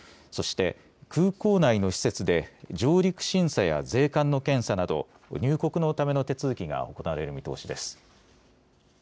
そして空港内の施設で上陸審査や税関の検査など入国のための手続きが行われる見通しです。